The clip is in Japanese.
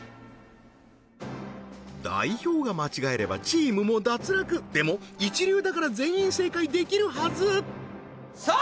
代表が間違えればチームも脱落でも一流だから全員正解できるはずさあ